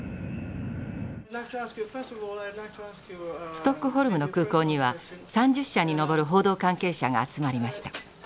ストックホルムの空港には３０社に上る報道関係者が集まりました。